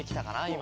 今。